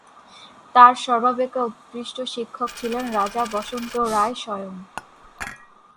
তার সর্বাপেক্ষা উৎকৃষ্ট শিক্ষক ছিলেন রাজা বসন্ত রায় স্বয়ং।